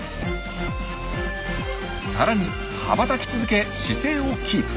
さらに羽ばたき続け姿勢をキープ。